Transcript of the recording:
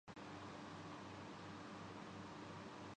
کشمش کے باقاعدہ